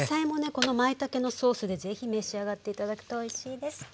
このまいたけのソースで是非召し上がって頂くとおいしいです。